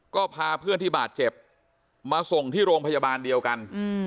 ก็พาเพื่อนที่บาดเจ็บมาส่งที่โรงพยาบาลเดียวกัน